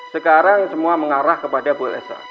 sekarang semua mengarah kepada bu elsa